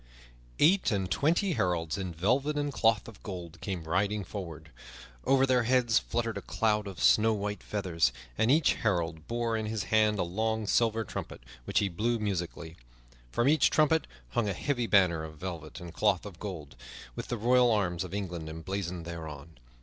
Eight and twenty heralds in velvet and cloth of gold came riding forward. Over their heads fluttered a cloud of snow white feathers, and each herald bore in his hand a long silver trumpet, which he blew musically. From each trumpet hung a heavy banner of velvet and cloth of gold, with the royal arms of England emblazoned thereon.